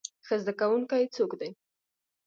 ښه زده کوونکی څوک دی؟